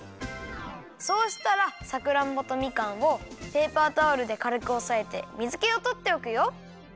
そうしたらさくらんぼとみかんをペーパータオルでかるくおさえて水けをとっておくよ。